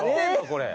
これ。